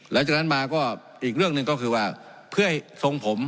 แล้วจากนั้นมาก็อีกเรื่องหนึ่งก็คือว่าเพื่อให้ทรงผม